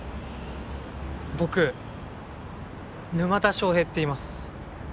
僕沼田翔平っていいます。